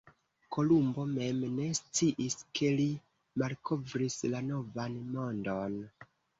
Kolumbo mem ne sciis ke li malkovris la Novan Mondon.